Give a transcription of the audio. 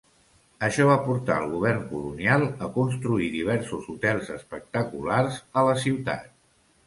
Això va portar el govern colonial a construir diversos hotels espectaculars a la ciutat.